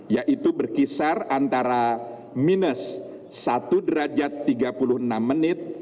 yaitu berkisar antara minus satu derajat tiga puluh enam menit